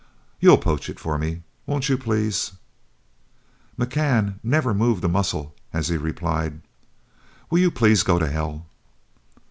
You'll poach it for me, won't you, please?" McCann never moved a muscle as he replied, "Will you please go to hell?"